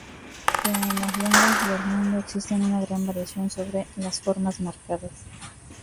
Pero en las lenguas del mundo existe una gran variación sobre las formas marcadas.